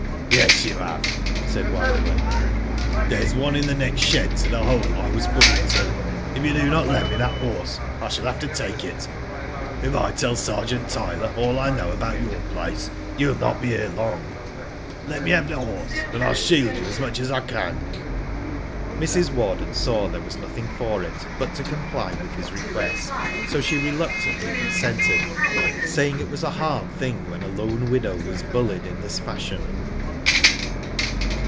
" Yes you have," said Wide Awake. " There is one in the next shed to the hole I was put into. If you do not lend me that horse I shall have to take it. If I tell Sergeant Tyler all I know about your place, you will not be here long. Let nie have the horse and Til shield you as much as I can.'* Mrs. Warden saw there was nothing for it but to comply with his request, so she reluctantly consented, saying it was a hard thing when a lone widow was bullied in this fashion.